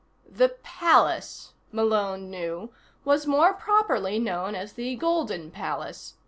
The Palace, Malone knew, was more properly known as the Golden Palace.